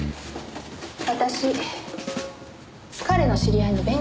私彼の知り合いの弁護士です。